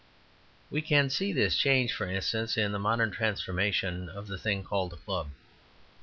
We can see this change, for instance, in the modern transformation of the thing called a club.